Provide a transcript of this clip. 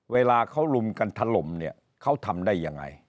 เวลาเขาลุมกันถล่มเนี่ยเขาทำได้ยังไง